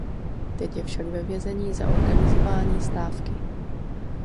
Teď je však ve vězení za organizování stávky.